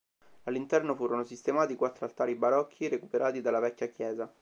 All'interno furono sistemati i quattro altari barocchi recuperati dalla vecchia chiesa.